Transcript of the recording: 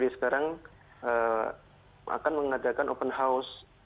sekarang akan mengadakan open house